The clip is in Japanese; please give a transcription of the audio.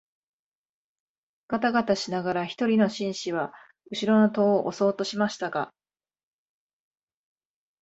がたがたしながら一人の紳士は後ろの戸を押そうとしましたが、